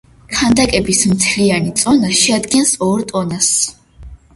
ქანდაკების მთლიანი წონა შეადგენს ორ ტონას.